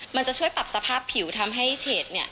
มันจะช่วยปรับสภาพผิวทำให้เฉดเนี่ย